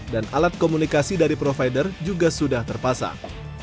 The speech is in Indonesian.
dan alat komunikasi dari provider juga sudah terpasang